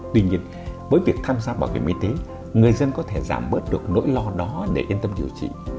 tuy nhiên với việc tham gia bảo hiểm y tế người dân có thể giảm bớt được nỗi lo đó để yên tâm điều trị